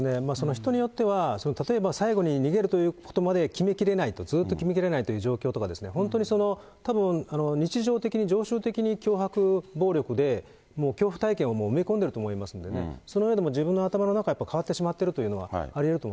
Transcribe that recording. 人によっては、例えば最後に逃げるということまで決めきれないと、ずっと決めきれない状況とかですね、本当にたぶん、日常的に常習的に脅迫、暴力で恐怖体験を植え込んでいると思いますので、その上でも自分の頭の中で変わってしまったというのが、ありえる